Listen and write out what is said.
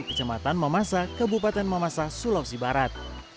kecamatan mamasa kabupaten mamasa sulawesi barat